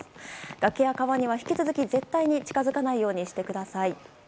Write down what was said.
崖や川には引き続き、絶対に近づかないようにしてください。